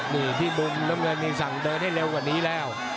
นี่ที่มุมน้ำเงินนี่สั่งเดินให้เร็วกว่านี้แล้ว